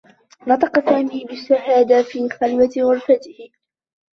نطق سامي بالشّهادة في خلوة غرفته.